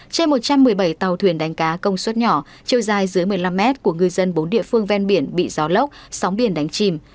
trên một trăm một mươi bảy tàu thuyền đánh cá công suất nhỏ chiều dài dưới một mươi năm mét của ngư dân bốn địa phương ven biển bị gió lốc sóng biển đánh chìm